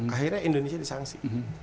akhirnya indonesia disangsi